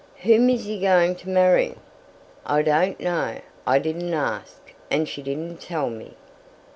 "Whom is he going to marry?" "I don't know. I didn't ask, and she didn't tell me."